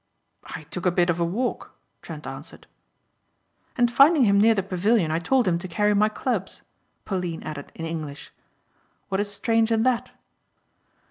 "I took a bit of a walk," Trent answered. "And finding him near the pavilion I told him to carry my clubs," Pauline added in English. "What is strange in that?"